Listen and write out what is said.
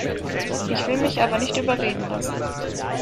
Ich will mich aber nicht überreden lassen.